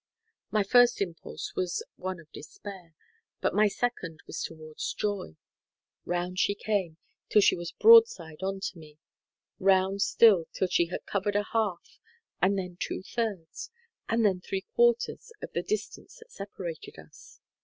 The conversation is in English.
My first impulse was one of despair, but my second was towards joy. Round she came, till she was broadside on to me—round still till she had covered a half, and then two thirds, and then three quarters of the distance that separated us.